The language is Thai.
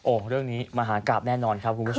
เรื่องนี้มหากราบแน่นอนครับคุณผู้ชม